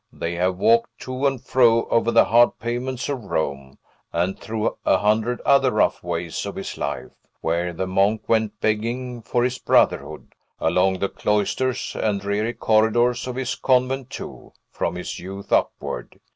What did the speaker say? They have walked to and fro over the hard pavements of Rome, and through a hundred other rough ways of this life, where the monk went begging for his brotherhood; along the cloisters and dreary corridors of his convent, too, from his youth upward!